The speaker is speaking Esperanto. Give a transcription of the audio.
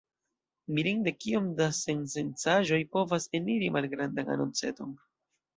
Mirinde kiom da sensencaĵoj povas eniri malgrandan anonceton.